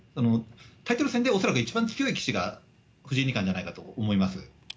タイトル戦で恐らく一番強い棋士が藤井二冠じゃないかと思います。